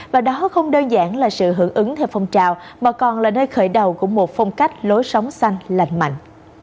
và đó không đơn giản là sự hưởng ứng theo phong trào mà còn là nơi khởi đầu của một phong cách lối sống xanh lạnh mạnh